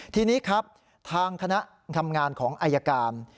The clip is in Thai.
ทีนี้ครับทางคณะทำงานของอายการ